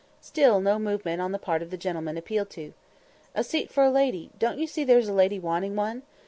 Still no movement on the part of the gentleman appealed to. "A seat for a lady; don't you see there's a lady wanting one?"